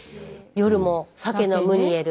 夜もさけのムニエル。